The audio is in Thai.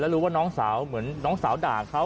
รู้ว่าน้องสาวเหมือนน้องสาวด่าเขา